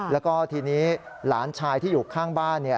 แล้วก็ทีนี้หลานชายที่อยู่ข้างบ้าน